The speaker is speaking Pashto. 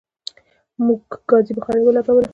موږ ګازی بخاری ولګوله